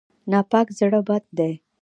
ناپاک زړه بد دی.